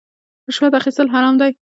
رشوت اخیستل حرام دي